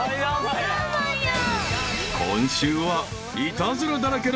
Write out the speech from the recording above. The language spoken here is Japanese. ［今週は］